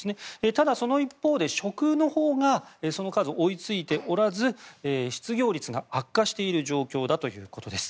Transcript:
ただ、その一方で職のほうがその数、追いついておらず失業率が悪化している状況だということです。